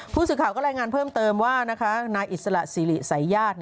ผู้สื่อข่าวก็รายงานเพิ่มเติมว่านายอิสระสิริสัยญาติ